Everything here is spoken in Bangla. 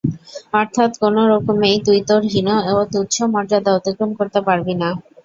অর্থাৎ কোন রকমেই তুই তোর হীন ও তুচ্ছ মর্যাদা অতিক্রম করতে পারবি না।